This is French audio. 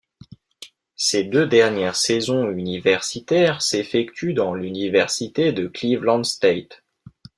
Ses deux dernières saisons universitaire s'effectue dans l'université de Cleveland State.